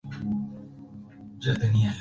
Tiene el órgano más grande de toda Europa Central.